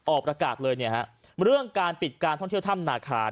ออกประกาศเลยเรื่องการปิดการท่องเที่ยวถ้ำหน้าขาด